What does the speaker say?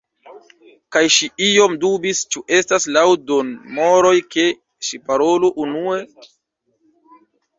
Kaj ŝi iom dubis ĉu estas laŭ bonmoroj ke ŝi parolu unue.